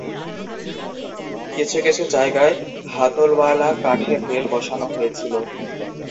কিছু কিছু জায়গায় হাতলওয়ালা কাঠের রেল বসানো হয়েছিল।